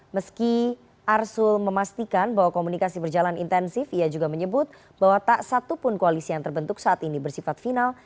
meski arsul memastikan bahwa komunikasi berjalan intensif ia juga menyebut bahwa tak satupun koalisi yang terbentuk saat ini bersifat final